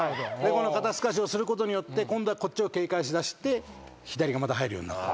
この肩すかしをすることによって今度はこっちを警戒しだして左がまた入るようになった。